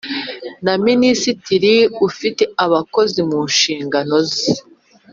na minisitiri ufite abakozi mu nshingano ze.